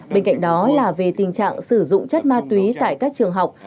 bên cạnh đó là về tình trạng sử dụng chất ma túy tại các trường học